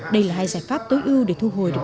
đây là hai giải pháp tối ưu để thu hồi được